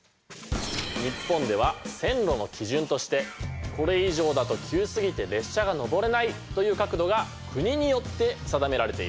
日本では線路の基準としてこれ以上だと急すぎて列車が登れないという角度が国によって定められています。